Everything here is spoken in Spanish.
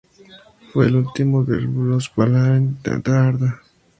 Fue el último de los valar en entrar en Arda.